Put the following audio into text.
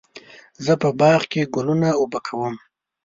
زه په باغ کې ګلونه اوبه کوم.